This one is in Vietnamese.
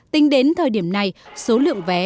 tính đến thời điểm này số lượng vé